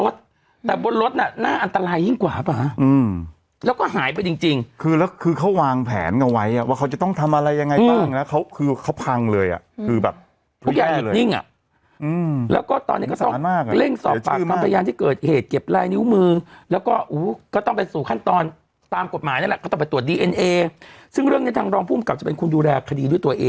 แต่บนรถน่ะน่าอันตรายยิ่งกว่าป่ะแล้วก็หายไปจริงจริงคือแล้วคือเขาวางแผนกันไว้อ่ะว่าเขาจะต้องทำอะไรยังไงบ้างแล้วเขาคือเขาพังเลยอ่ะคือแบบทุกอย่างอยู่นิ่งอ่ะแล้วก็ตอนนี้ก็ต้องเล่นสอบปากคำประยานที่เกิดเหตุเก็บลายนิ้วมือแล้วก็อู๋ก็ต้องไปสู่ขั้นตอนตามกฎหมายนั่นแหละก็ต้องไป